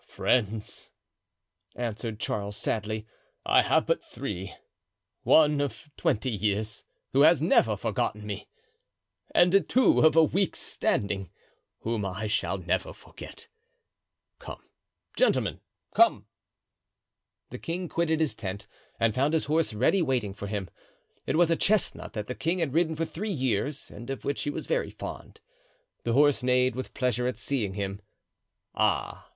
"Friends!" answered Charles, sadly, "I have but three—one of twenty years, who has never forgotten me, and two of a week's standing, whom I shall never forget. Come, gentlemen, come!" The king quitted his tent and found his horse ready waiting for him. It was a chestnut that the king had ridden for three years and of which he was very fond. The horse neighed with pleasure at seeing him. "Ah!"